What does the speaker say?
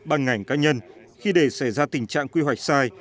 và các ngành cá nhân khi để xảy ra tình trạng quy hoạch sai